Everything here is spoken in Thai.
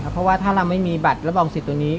เพราะว่าถ้าเราไม่มีบัตรรับรองสิทธิ์ตัวนี้